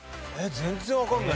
全然わかんない。